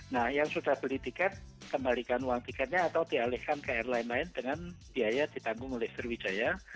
nah yang sudah beli tiket kembalikan uang tiketnya atau dialihkan ke airline lain dengan biaya ditanggung oleh sriwijaya